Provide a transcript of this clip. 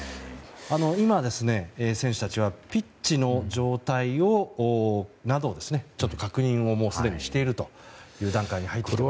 今、選手たちはピッチの状態など確認しているという段階に入っています。